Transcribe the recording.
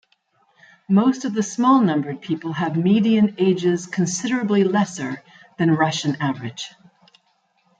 Most of the small numbered people have median ages considerably lesser than Russian average.